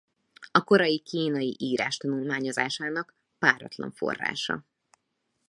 A korai kínai írás tanulmányozásának páratlan forrása.